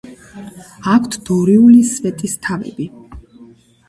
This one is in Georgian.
აქვთ დორიული სვეტისთავები.